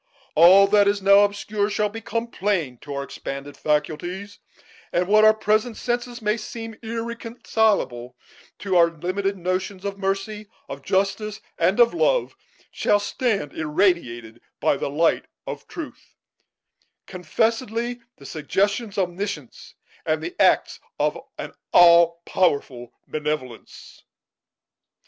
All that is now obscure shall become plain to our expanded faculties; and what to our present senses may seem irreconcilable to our limited notions of mercy, of justice, and of love, shall stand irradiated by the light of truth, confessedly the suggestions of Omniscience, and the acts of an All powerful Benevolence."